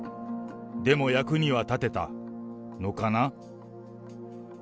でも役には立てたのかな？